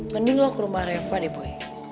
mending lo ke rumah reva deh boy